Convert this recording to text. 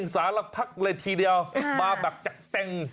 สารพักเลยทีเดียวมาแบบจัดเต็ม